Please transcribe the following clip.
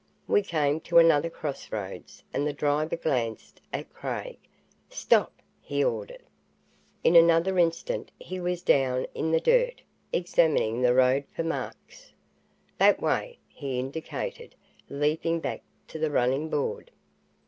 We came to another crossroads and the driver glanced at Craig. "Stop!" he ordered. In another instant he was down in the dirt, examining the road for marks. "That way!" he indicated, leaping back to the running board.